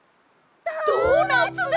ドーナツだ！